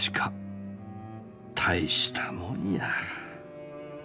大したもんや。」